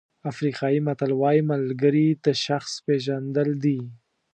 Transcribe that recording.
افریقایي متل وایي ملګري د شخص پېژندل دي.